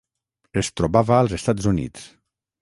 Es trobava als Estats Units.